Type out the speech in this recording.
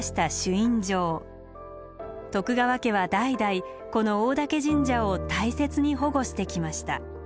徳川家は代々この大嶽神社を大切に保護してきました。